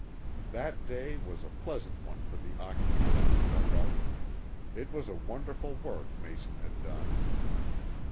That day was a pleasant one for the occupants of the dugout. It was a wonderful work Mason had done.